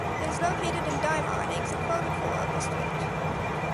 It is located in Dimar, an ancient Fouta Toro district.